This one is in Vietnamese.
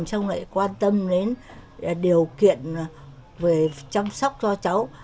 xong lại quan tâm đến điều kiện về chăm sóc cho cháu